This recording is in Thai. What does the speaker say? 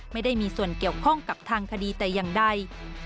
ไม่ได้มีส่วนเกี่ยวข้องกับทางคดีแต่อย่างใด